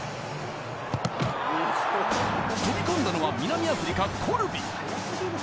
飛び込んだのは南アフリカ、コルビ。